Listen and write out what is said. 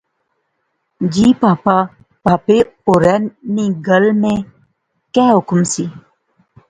جی پہاپا۔ پہاپے ہوریں نی گل میں کیا حکم سی